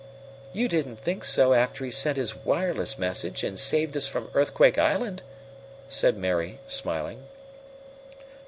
"You didn't think so after he sent his wireless message, and saved us from Earthquake Island," said Mary, smiling.